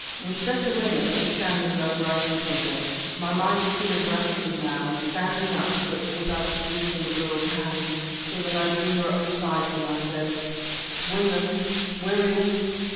Inspector Weymouth was standing by the writing table. My mind cleared rapidly now, and standing up, but without releasing the girl's hands, so that I drew her up beside me, I said: "Weymouth where is